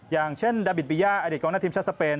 อย่างเช่นดาบิตปิยาอดีตกองหน้าทีมชาติสเปน